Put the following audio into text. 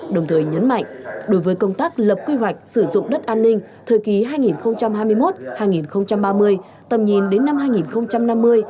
đồng thời nhấn mạnh đối với công tác lập quy hoạch sử dụng đất an ninh thời kỳ hai nghìn hai mươi một hai nghìn ba mươi tầm nhìn đến năm hai nghìn năm mươi